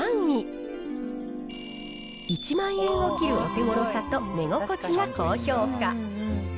１万円を切るお手ごろさと寝心地が高評価。